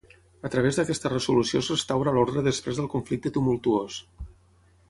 A través d'aquesta resolució es restaura l'ordre després del conflicte tumultuós.